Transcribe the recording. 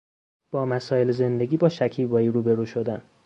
با مسایل زندگی با شکیبایی روبرو شدن